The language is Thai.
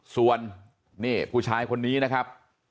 ส่วนนี่ผู้ชายคนนี้นะครับ